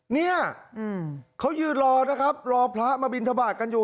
เนี่ยเขายืนรอนะครับรอพระมาบินทบาทกันอยู่